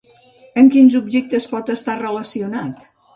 Amb quins objectes pot estar relacionat?